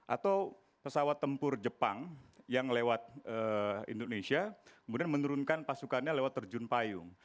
atau pesawat tempur jepang yang lewat indonesia kemudian menurunkan pasukannya lewat terjun payung